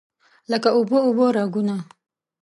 لکه اوبه، اوبه راګونه